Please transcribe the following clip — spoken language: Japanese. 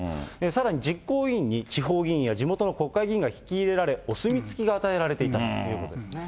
さらに実行委員に、地方議員や地元の国会議員が引き入れられ、お墨付きが与えられていたということですね。